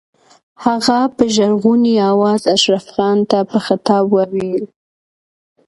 هغې په ژړغوني آواز اشرف خان ته په خطاب وويل.